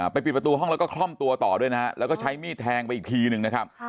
ปิดประตูห้องแล้วก็คล่อมตัวต่อด้วยนะฮะแล้วก็ใช้มีดแทงไปอีกทีนึงนะครับ